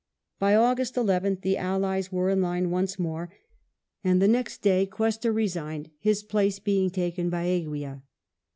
By August 11th the Allies were in line once more^ and the next day Cuesta resigned, his place being taJien by Eguia.